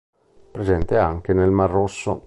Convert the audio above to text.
Presente anche nel mar Rosso.